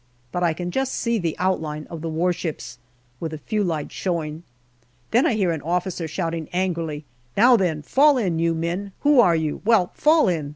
But I can just see the outline of the warships, with a few lights showing. Then I hear an officer shouting angrily, " Now then, fall in, you men ! Who are you ? Well, fall in.